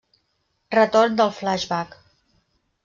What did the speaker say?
Retorn del flashback.